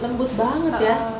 lembut banget ya